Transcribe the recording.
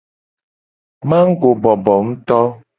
Mago bobo nguto.